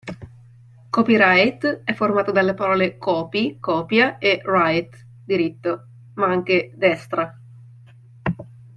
Copyright è formato dalle parole "copy", copia, e right, diritto, ma anche destra.